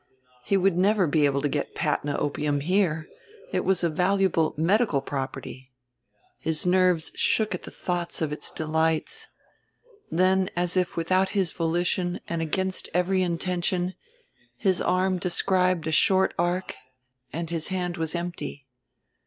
He would never be able to get Patna opium here; it was a valuable medical property. His nerves shook at the thought of its delights. Then as if without his volition and against every intention, his arm described a short arc and his hand was empty.